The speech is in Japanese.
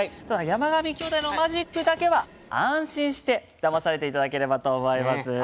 ただ山上兄弟のマジックだけは安心してだまされていただければと思います。